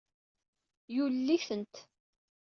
Yulel-itent.